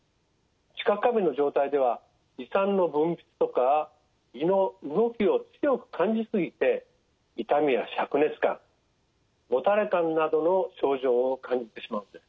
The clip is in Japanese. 知覚過敏の状態では胃酸の分泌とか胃の動きを強く感じ過ぎて痛みやしゃく熱感もたれ感などの症状を感じてしまうんです。